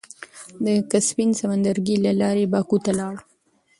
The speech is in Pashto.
د کاسپين سمندرګي له لارې باکو ته لاړ.